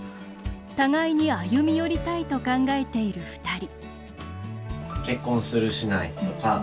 互いに歩み寄りたいと考えている、ふたり。